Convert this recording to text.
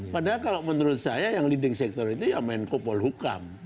padahal kalau menurut saya yang leading sector itu yang main kupol hukum